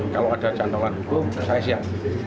kalau ada cantolan hukum saya siap